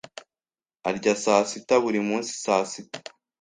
arya saa sita buri munsi saa sita.